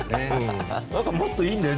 もっといいんだよ